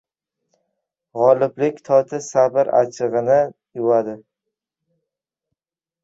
• G‘oliblik toti sabr achchig‘ini yuvadi.